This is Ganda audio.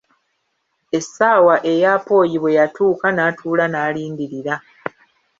Essaawa eya 'apoyi' bwe yatuuka n'atuula n'alindirira.